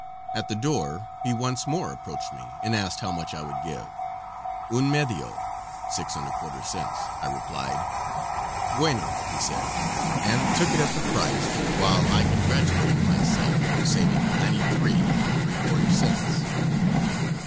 At the door he once more approached me and asked how much I would give. "Un medio" (six and a quarter cents), I replied. "Bueno," he said, and took it at the price, while I congratulated myself on saving ninety three and three quarter cents.